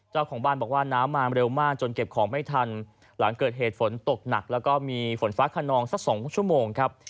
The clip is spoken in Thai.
เจ้าของบ้านบอกว่าน้ำมาเร็วมากจนเก็บของไม่ทันหลังเกิดเหตุฝนตกหนักแล้วก็มีฝนฟ้าขนองสัก๒ชั่วโมงครับ